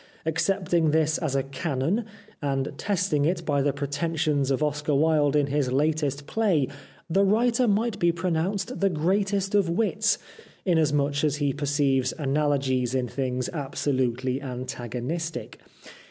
Accepting this as a canon, and testing it by the pretensions of Oscar Wilde in his latest play, the writer might be pro nounced the greatest of wits, inasmuch as he perceives analogies in things absolutely anta gonistic.